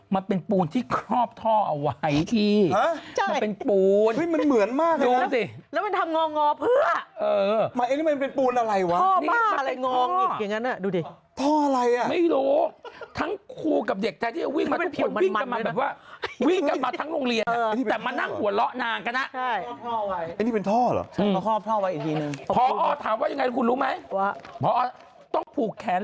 มันเป็นปูนที่ครอบท่อเอาไว้พี่มันเป็นปูน